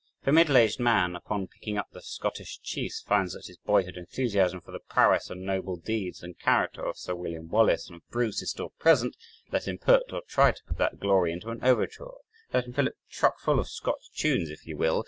If a middle aged man, upon picking up the Scottish Chiefs, finds that his boyhood enthusiasm for the prowess and noble deeds and character of Sir Wm. Wallace and of Bruce is still present, let him put, or try to put that glory into an overture, let him fill it chuck full of Scotch tunes, if he will.